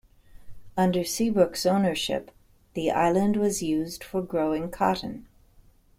Under Seabrook's ownership, the island was used for growing cotton.